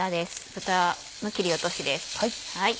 豚の切り落としです。